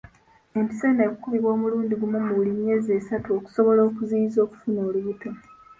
Empiso eno ekukubibwa omulundi gumu mu buli myezi esatu okusobola okuziyiza okufuna olubuto.